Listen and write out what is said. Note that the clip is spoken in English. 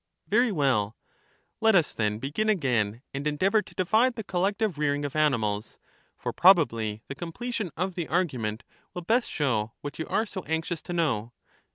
Very well : Let us then begin again, and endeavour to divide the collective rearing of animals ; for probably the completion of the argument will best show what you are so anxious to know.